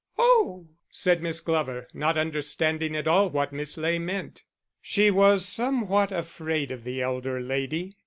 "Oh!" said Miss Glover, not understanding at all what Miss Ley meant. She was somewhat afraid of the elder lady.